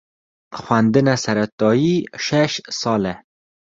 Xwendina seretayî şeş sal e.